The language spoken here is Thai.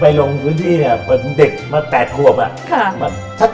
ไปรงวิธีเนี่ยเด็กมา๘หวบอะ